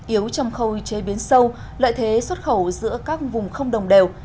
yếu trong khâu chế biến sâu lợi thế xuất khẩu giữa các vùng không đồng đều